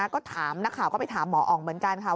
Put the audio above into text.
ก็ถามนักข่าวก็ไปถามหมออ๋องเหมือนกันค่ะ